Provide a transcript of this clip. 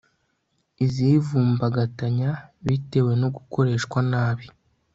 izivumbagatanya bitewe no gukoreshwa nabi